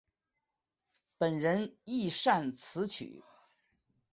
本人亦擅词曲。